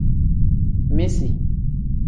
Misi.